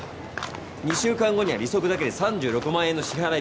２週間後には利息だけで３６万円の支払い日が来る。